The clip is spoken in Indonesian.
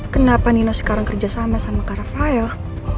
kenapa nino sekarang kerja sama sama ke rafael